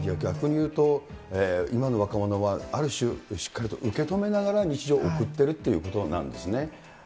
逆に言うと、今の若者は、ある種、しっかりと受け止めながら、日常を送っているということなんですね。